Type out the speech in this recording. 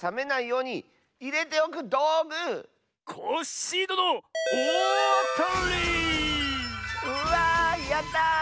うわやった！